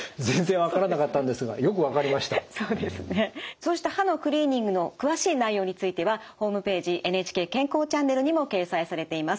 そうした歯のクリーニングの詳しい内容についてはホームページ「ＮＨＫ健康チャンネル」にも掲載されています。